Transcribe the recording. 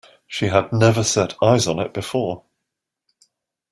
She had never set eyes on it before.